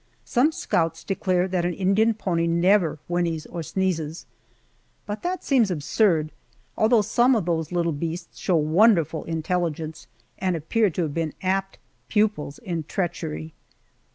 Some scouts declare that an Indian pony never whinnies or sneezes! But that seems absurd, although some of those little beasts show wonderful intelligence and appear to have been apt pupils in treachery.